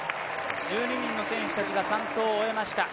１２人の選手たちが３投を終えました。